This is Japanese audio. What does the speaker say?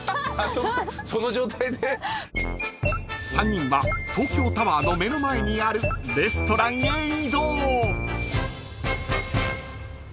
［３人は東京タワーの目の前にあるレストランへ移動］